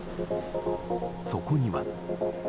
そこには。